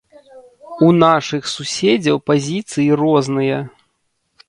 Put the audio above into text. У нашых суседзяў пазіцыі розныя.